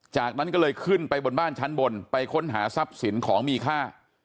จากนั้นก็เลยขึ้นไปบนบ้านชั้นบนไปค้นหาทรัพย์สินของมีค่า